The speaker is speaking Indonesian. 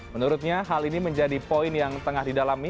menurutnya hal ini menjadi poin yang tengah didalami